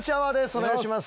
お願いします。